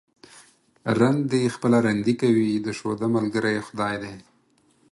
رند دي خپله رندي کوي ، د شوده ملگرى خداى دى.